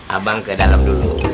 abang ke dalam dulu